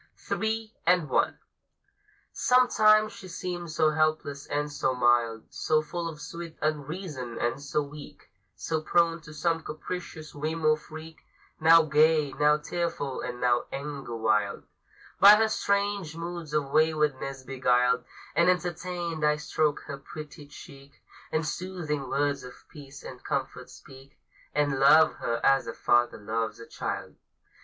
THREE AND ONE. Sometimes she seems so helpless and so mild, So full of sweet unreason and so weak, So prone to some capricious whim or freak; Now gay, now tearful, and now anger wild, By her strange moods of waywardness beguiled And entertained, I stroke her pretty cheek, And soothing words of peace and comfort speak; And love her as a father loves a child.